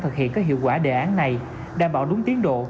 thực hiện có hiệu quả đề án này đảm bảo đúng tiến độ